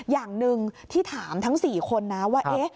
อย่างหนึ่งที่ถามทั้ง๔คนนะว่า